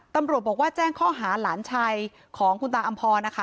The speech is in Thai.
ตำรวจบอกว่าแจ้งข้อหาหลานชายของคุณตาอำพรนะคะ